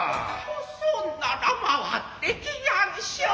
そんなら廻ってきやんしょう。